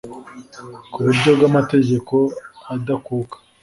ku buryo bwamategeko adakuka